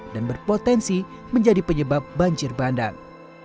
dan berpotensi menjadi penyebab banjir bandang